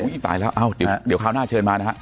อุ้ยตายแล้วเอ้าเดี๋ยวคราวหน้าเชิญมานะครับ